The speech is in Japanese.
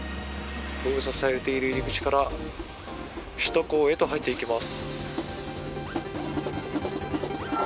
封鎖されている入り口から首都高へと入っていきます。